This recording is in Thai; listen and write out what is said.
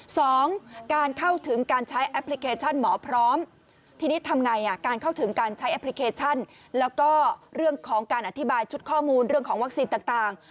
สองการเข้าถึงการใช้แอปพลิเคชันหมอพร้อมทีนี้ทำไงอ่ะการเข้าถึงการใช้แอปพลิเคชันแล้วก็เรื่องของการอธิบายชุดข้อมูลเรื่องของวัคซีนต่าง